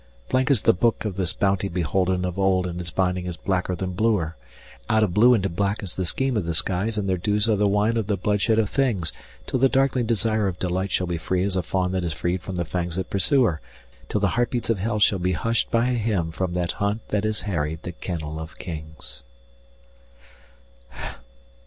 Blank is the book of his bounty beholden of old, and its binding is blacker than bluer; Out of blue into black is the scheme of the skies, and their dews are the wine of the bloodshed of things; Till the darkling desire of delight shall be free as a fawn that is freed from the fangs that pursue her, Till the heartbeats of hell shall be hushed by a hymn from that hunt that has harried the kennel of kings.